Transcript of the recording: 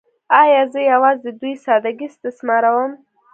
“ایا زه یوازې د دوی ساده ګۍ استثماروم؟